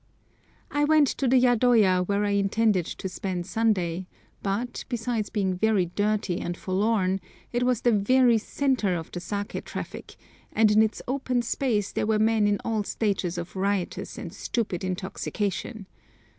I went to the yadoya where I intended to spend Sunday, but, besides being very dirty and forlorn, it was the very centre of the saké traffic, and in its open space there were men in all stages of riotous and stupid intoxication.